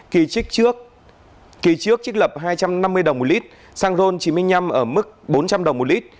kỳ trích trước kỳ trước trích lập hai trăm năm mươi đồng một lít xăng ron chín mươi năm ở mức bốn trăm linh đồng một lít